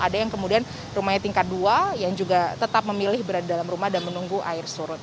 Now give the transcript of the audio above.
ada yang kemudian rumahnya tingkat dua yang juga tetap memilih berada dalam rumah dan menunggu air surut